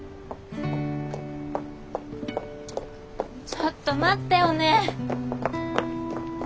ちょっと待っておねぇ！